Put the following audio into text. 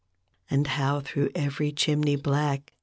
And how through every chimney black.